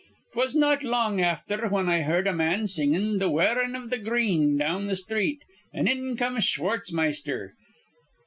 "'Twas not long afther whin I heerd a man singin' 'Th' Wearin' iv th' Green' down th' sthreet, an' in come Schwartzmeister.